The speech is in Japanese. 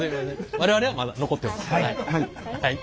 我々はまだ残ってます。